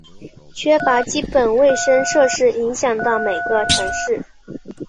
缺乏基本卫生设施影响到每个城市。